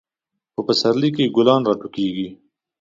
په پسرلی کې ګلان راټوکیږي.